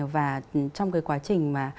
và trong cái quá trình mà